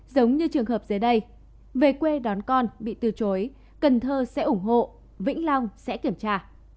giống như trường hợp dưới đây về quê đón con bị từ chối cần thơ sẽ ủng hộ vĩnh long sẽ kiểm tra